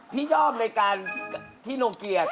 พี่ชอบในการที่โนเกีย